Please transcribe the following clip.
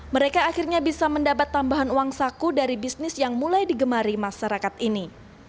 mereka akhirnya bisa mendapat tambahan uang saku dari bisnis yang mulai digemari masyarakat ini